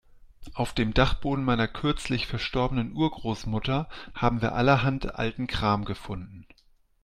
Auf dem Dachboden meiner kürzlich verstorbenen Urgroßmutter haben wir allerhand alten Kram gefunden.